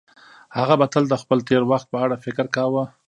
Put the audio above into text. هغه به تل د خپل تېر وخت په اړه فکر کاوه.